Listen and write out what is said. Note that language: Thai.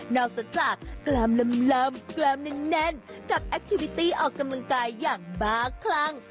อกจากกล้ามเลิมแกล้มแน่นกับแอคทีวิตี้ออกกำลังกายอย่างบ้าคลั่ง